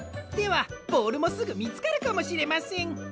ではボールもすぐみつかるかもしれません。